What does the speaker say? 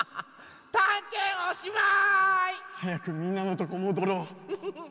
はやくみんなのとこもどろう。